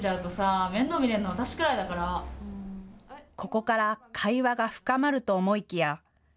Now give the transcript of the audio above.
ここから会話が深まると思いきや。